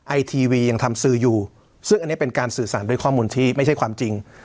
ไอทีวียังทำสื่ออยู่ซึ่งอันนี้เป็นการสื่อสารด้วยข้อมูลที่ไม่ใช่ความจริง